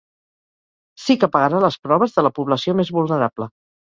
Sí que pagarà les proves de la població més vulnerable.